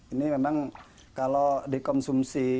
ini memang kalau dikonsumsi